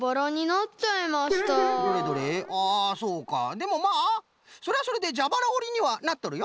でもまあそれはそれでじゃばらおりにはなっとるよ。